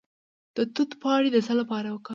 د توت پاڼې د څه لپاره وکاروم؟